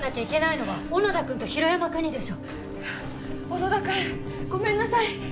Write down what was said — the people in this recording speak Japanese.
小野田くんごめんなさい。